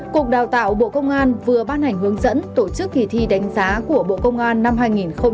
cục đào tạo bộ công an vừa ban hành hướng dẫn tổ chức kỳ thi đánh giá của bộ công an năm hai nghìn hai mươi ba